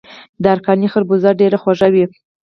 د ارکاني خربوزه ډیره خوږه وي.